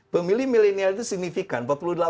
pemilih milenial itu signifikan